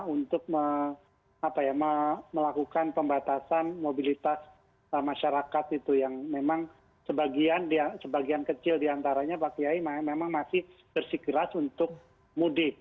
untuk melakukan pembatasan mobilitas masyarakat itu yang memang sebagian kecil diantaranya pak kiai memang masih bersikeras untuk mudik